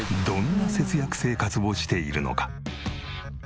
どんな節約生活をしているのか？